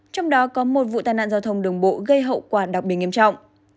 trong đó có một vụ tai nạn giao thông đường bộ gây hậu quả đặc biệt nghiêm trọng